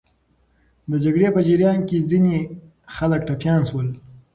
د جګړې په جریان کې ځینې خلک ټپیان سول.